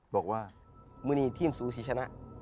บอกว่ามื้อนี่ทีมสู้สิชนะ